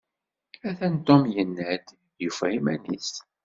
Atan Tom yenna-d yufa iman-is.